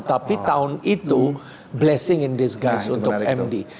tapi tahun itu blessing in disguise untuk md